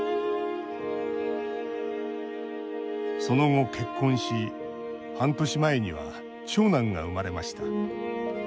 その後、結婚し半年前には長男が生まれました。